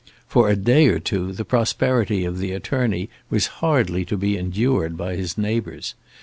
For a day or two the prosperity of the attorney was hardly to be endured by his neighbours.